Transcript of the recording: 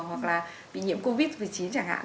hoặc là bị nhiễm covid một mươi chín chẳng hạn